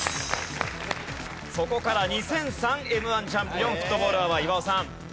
そこから２００３Ｍ−１チャンピオンフットボールアワー岩尾さん。